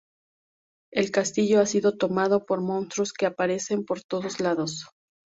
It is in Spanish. El castillo ha sido tomado por monstruos que aparecen por todos lados.